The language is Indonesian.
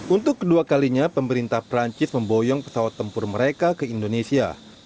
untuk kedua kalinya pemerintah perancis memboyong pesawat tempur mereka ke indonesia